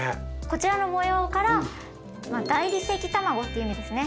こちらの模様から大理石たまごっていう意味ですね。